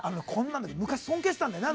昔、尊敬してたんだよな。